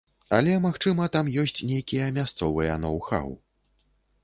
Але, магчыма, там ёсць нейкія мясцовыя ноў-хаў.